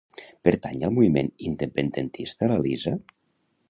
Pertany al moviment independentista la Lisa?